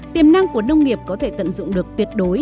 tiềm năng của nông nghiệp có thể tận dụng được tuyệt đối